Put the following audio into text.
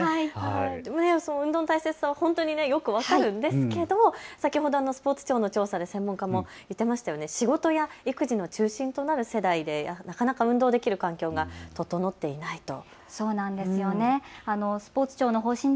運動の大切さは本当によく分かるんですけれども先ほどのスポーツ庁の調査で専門家も言っていましたよね、仕事や育児の中心となる世代で運動できる環境が整っていないと。